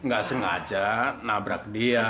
gak sengaja nabrak dia